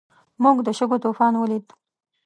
موږ د شګو طوفان ولید.